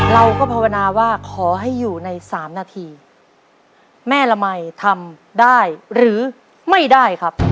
เราก็ภาวนาว่าขอให้อยู่ในสามนาทีแม่ละมัยทำได้หรือไม่ได้ครับ